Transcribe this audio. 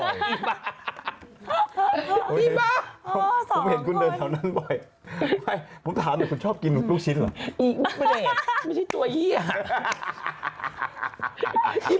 ยังไงไม่เคยรู้ดีตี